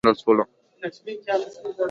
یو ځل بیا موږ ور وپېژندل سولو.